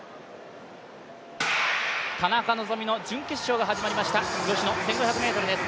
田中希実の準決勝が始まりました、女子の１５００ｍです。